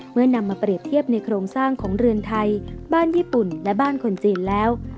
นำมาเปรียบเทียบในโครงสร้างของเรือนไทยบ้านญี่ปุ่นและบ้านคนจีนแล้ว